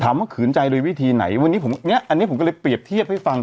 ขืนใจโดยวิธีไหนวันนี้ผมเนี้ยอันนี้ผมก็เลยเปรียบเทียบให้ฟัง